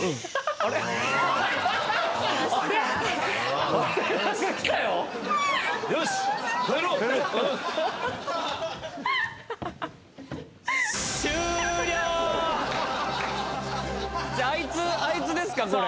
あいつあいつですかこれ。